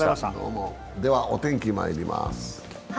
ではお天気まいります。